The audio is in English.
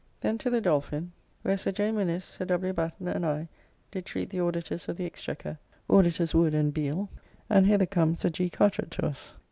Then to the Dolphin, where Sir J. Minnes, Sir W. Batten, and I, did treat the Auditors of the Exchequer, Auditors Wood and Beale, and hither come Sir G. Carteret to us.